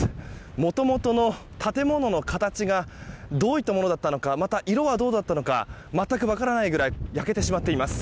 もともとの建物の形がどういったものだったのかまた、色はどうだったのか全く分からないぐらい焼けてしまっています。